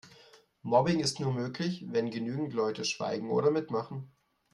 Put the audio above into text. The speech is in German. Mobbing ist nur möglich, wenn genügend Leute schweigen oder mitmachen.